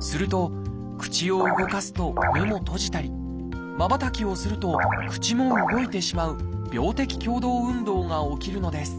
すると口を動かすと目も閉じたりまばたきをすると口も動いてしまう病的共同運動が起きるのです